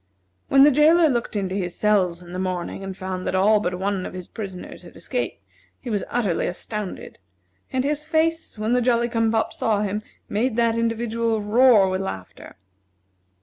When the jailer looked into his cells in the morning, and found that all but one of his prisoners had escaped, he was utterly astounded, and his face, when the Jolly cum pop saw him, made that individual roar with laughter.